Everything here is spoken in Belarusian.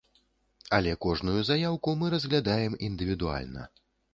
Але кожную заяўку мы разглядаем індывідуальна.